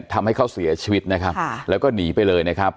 ทำให้เขาเสียชีวิตนะครับแล้วก็หนีไปเลยนะครับ